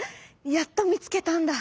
やっとみつけたんだ。